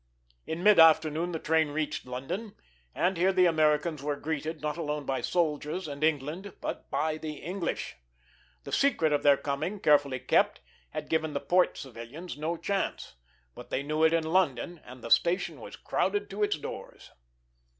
In mid afternoon the train reached London, and here the Americans were greeted, not alone by soldiers and England, but by the English. The secret of their coming, carefully kept, had given the port civilians no chance. But they knew it in London and the station was crowded to its doors.